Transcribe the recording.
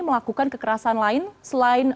melakukan kekerasan lain selain